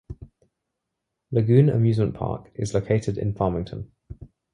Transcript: Lagoon Amusement Park is located in Farmington.